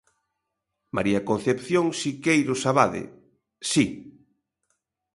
María Concepción Siqueiros Abade: Si.